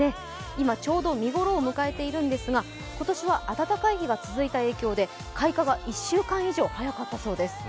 今ちょうど見頃を迎えているんですが、ことしは暖かい日が続いた影響で開花が１週間以上早かったそうです